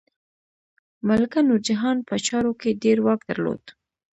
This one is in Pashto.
ملکه نورجهان په چارو کې ډیر واک درلود.